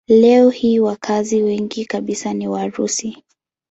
Leo hii wakazi wengi kabisa ni Warusi.